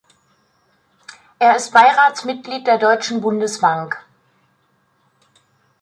Er ist Beiratsmitglied der Deutschen Bundesbank.